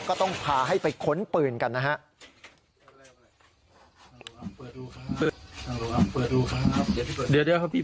ก็ต้องพาให้ไปขนปืนกันนะครับ